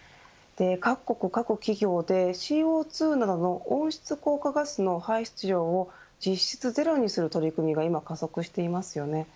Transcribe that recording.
各国、各企業でＣＯ２などの温室効果ガスの排出量を実質ゼロにする取り組みが今加速していますよね。